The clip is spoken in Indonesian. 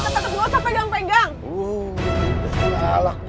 gak usah deket gak usah pegang pegang